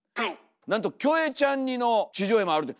なんとキョエちゃん似の地上絵もあると。